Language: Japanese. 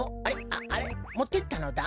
ああれ？もってったのだ？